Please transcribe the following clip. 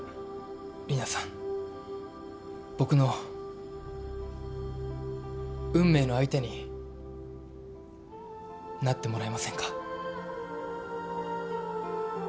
僕の運命の相手になってもらえませんか？